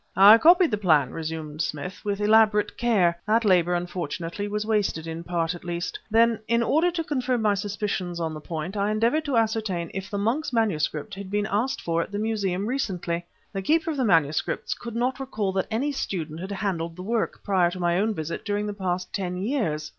"I copied the plan," resumed Smith, "with elaborate care. That labor, unfortunately, was wasted, in part, at least. Then, in order to confirm my suspicions on the point, I endeavored to ascertain if the monk's MS. had been asked for at the Museum recently. The Keeper of the Manuscripts could not recall that any student had handled the work, prior to my own visit, during the past ten years.